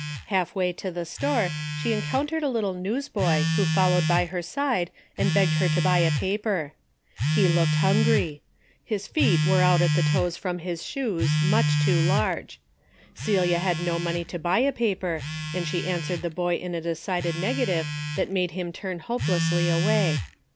Half way to the store, she encountered a little neAvsboy Avho followed by her side, and begged her to buy a paper. He looked hungry. His feet were out at the toes from his shoes, much too large. Celia had no money to buy a paper and she answered the boy in a decided nega tive that made him turn hopelessly away.